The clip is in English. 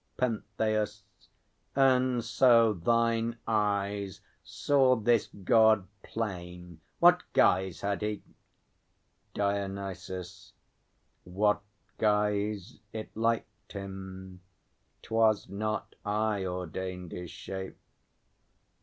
PENTHEUS. And so thine eyes Saw this God plain; what guise had he? DIONYSUS. What guise It liked him. 'Twas not I ordained his shape.